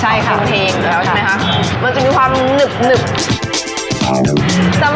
ใช่ค่ะทองเทงแล้วใช่ไหมคะมันจะมีความหนึบ